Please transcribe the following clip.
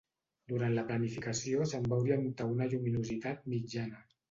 Durant la planificació se'n va orientar una lluminositat mitjana.